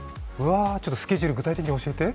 スケジュールを具体的に教えて。